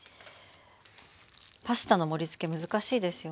パスタの盛りつけ難しいですよね。